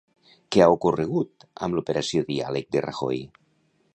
Què ha ocorregut amb loperació diàleg de Rajoy?